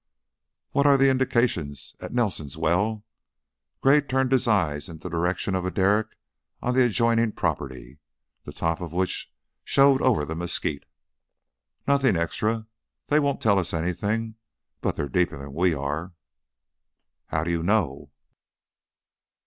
"What are the indications at Nelson's well?" Gray turned his eyes in the direction of a derrick on the adjoining property, the top of which showed over the mesquite. "Nothin' extra. They won't tell us anything, but they're deeper 'n we are." "How do you know?"